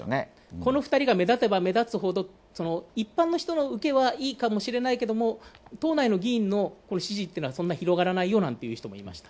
この２人が目立てば目立つほど一般の人の受けはいいかもしれないけども、党内の議員の支持っていうのは広がらないよという人もいました。